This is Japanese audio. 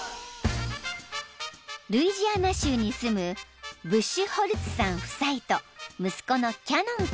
［ルイジアナ州に住むブッシュホルツさん夫妻と息子のキャノン君］